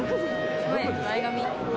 前髪？